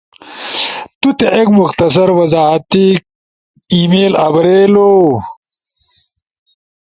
تو تے ایک مختصر وضاحتی ای میل آبریلو،